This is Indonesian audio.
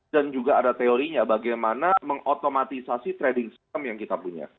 dan juga ada teorinya bagaimana mengotomatisasi trading system yang kita punya